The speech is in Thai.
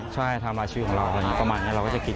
ใช่ทำร้ายชีวิตของเราประมาณนี้เราก็จะคิด